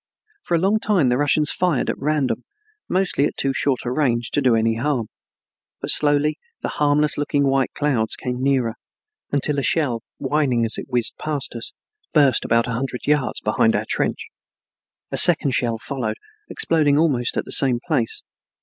For a long time the Russians fired at random, mostly at too short a range to do any harm, but slowly the harmless looking white clouds came nearer, until a shell, whining as it whizzed past us, burst about a hundred yards behind our trench. A second shell followed, exploding almost at the same place.